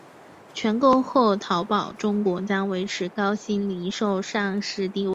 全购后淘宝中国将维持高鑫零售上市地位。